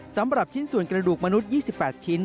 สำหรับชิ้นส่วนกระดูกมนุษย์๒๘ชิ้น